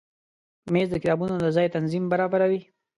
مېز د کتابونو د ځای تنظیم برابروي.